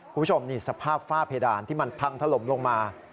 คุณผู้ชมนี่สภาพฝ้าเพดานที่มันพังถล่มลงมา